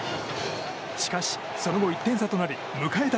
しかし、その後１点差となり迎えた